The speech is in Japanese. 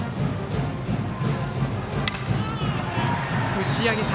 打ち上げた。